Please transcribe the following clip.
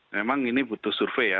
memang ini butuh survei ya